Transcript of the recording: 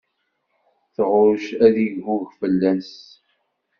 Tɣucc ad iggug fell-as.